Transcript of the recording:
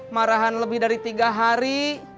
marahan lebih dari tiga hari